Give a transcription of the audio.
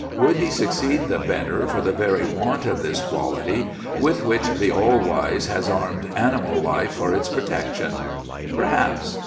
Would he succeed the better for the very want of this quality with which the All wise has armed animal life for its protection? Perhaps.